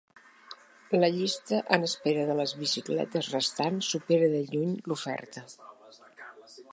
La llista en espera de les bicicletes restants supera de lluny l'oferta.